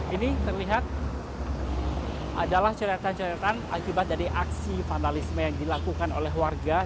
ini terlihat adalah coretan coretan akibat dari aksi vandalisme yang dilakukan oleh warga